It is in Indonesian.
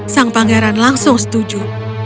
sang pangeran langsung setuju